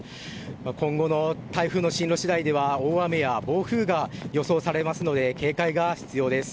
今後の台風の進路次第では大雨や暴風が予想されますので警戒が必要です。